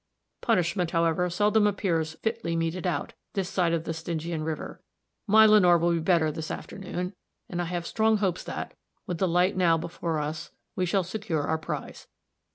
Punishment, however, seldom appears fitly meted out, this side the Stygian river. My Lenore will be better this afternoon; and I have strong hopes that, with the light now before us, we shall secure our prize.